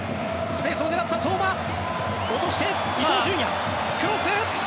スペースを狙った相馬落として伊東純也